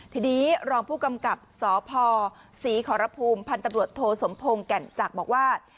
ทีนี้รองผู้กำกับสพศรีขอรภูมิพันธบรวจโทสมพงศ์แก่นจักรบอกว่า